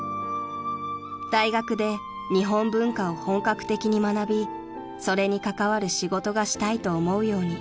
［大学で日本文化を本格的に学びそれに関わる仕事がしたいと思うように］